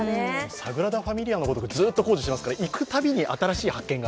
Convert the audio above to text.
サグラダ・ファミリアはずっと工事してますから、常に新しい発見が